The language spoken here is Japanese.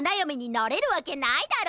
なれるわけないだろ！